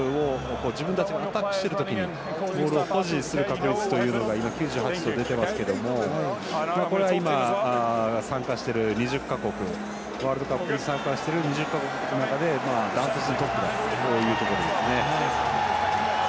自分たちがアタックしている時にボールを保持する確率が９８と出ていますがこれは今、参加している２０か国ワールドカップに参加してる２０か国の中でダントツのトップだということですね。